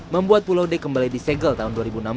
membuat pulau d kembali disegel tahun dua ribu enam belas